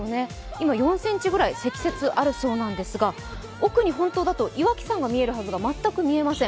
今、４ｃｍくらい積雪あるそうなんですが、奥に本当だと岩木山が見えるはずなんですが、全く見えません。